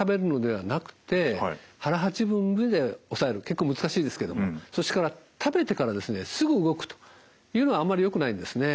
結構難しいですけどもそして食べてからですねすぐ動くというのはあんまりよくないんですね。